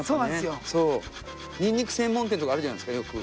そうニンニク専門店とかあるじゃないですかよく。